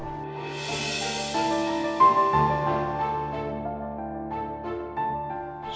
suasananya udah gak enak banget ya disini